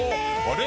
あれ？